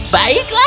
baiklah kalau begitu